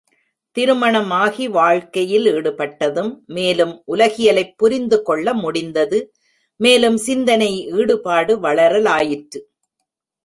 திருமணம் ஆகி வாழ்க்கையில் ஈடுபட்டதும் மேலும் உலகியலைப் புரிந்து கொள்ள முடிந்தது மேலும் சிந்தனை ஈடுபாடு வளரலாயிற்று.